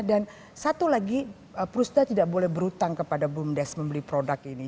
dan satu lagi perusda tidak boleh berhutang kepada gumdes membeli produk ini